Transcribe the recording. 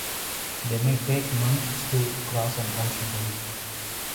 They may take months to cross an ocean basin.